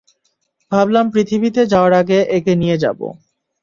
ভাবলাম পৃথিবীতে যাওয়ার আগে একে নিয়ে যাবো।